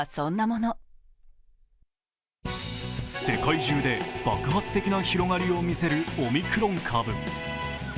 世界中で爆発的な広がりを見せるオミクロン株。